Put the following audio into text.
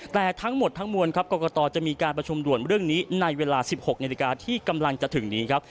แต่ทั้งหมดทั้งมวลครับกรกตจะมีการประชุมด่วนเรื่องนี้ในเวลา๑๖นาฬิกาที่กำลังจะถึงนี้ครับ